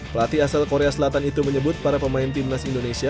pelatih asal korea selatan itu menyebut para pemain timnas indonesia